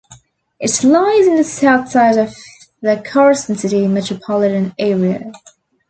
It lies in the south side of the Carson City metropolitan area.